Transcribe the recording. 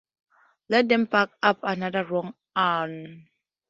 Let them bark up another wrong 'un.